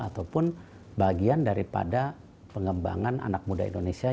ataupun bagian daripada pengembangan anak muda indonesia